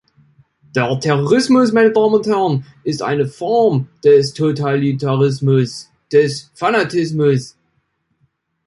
Der Terrorismus, meine Damen und Herren, ist eine Form des Totalitarismus, des Fanatismus.